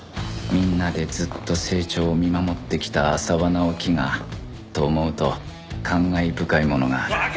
みんなでずっと成長を見守ってきた浅輪直樹がと思うと感慨深いものがある